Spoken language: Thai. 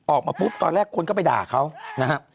ออกมาปุ๊บตอนแรกคนก็ไปด่าเขานะครับ